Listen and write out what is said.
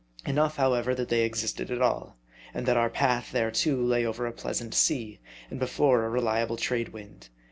Enough, however, that they existed at all ; and that our path thereto lay over a pleasant sea, and before a reliable Trade wind.